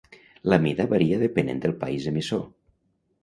La mida varia dependent del país emissor.